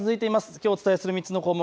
きょうお伝えする３つの項目